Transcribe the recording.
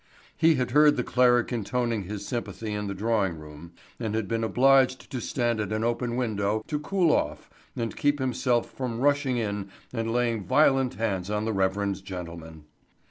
He had heard the cleric intoning his sympathy in the drawing room and had been obliged to stand at an open window to cool off and keep himself from rushing in and laying violent hands on the reverend gentleman.